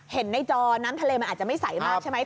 เห็นในจอน้ำทะเลมันอาจจะไม่ใสมากใช่ไหม